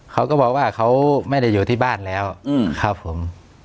เขาก็บอกว่าเขาไม่ได้อยู่ที่บ้านแล้วครับผม